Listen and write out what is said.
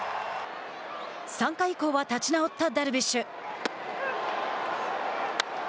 ３回以降は立ち直ったダルビッシュ。